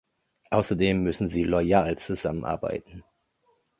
Außerdem müssen sie loyal zusammenarbeiten.